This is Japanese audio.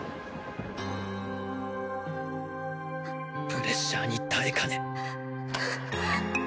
プレッシャーに耐えかね。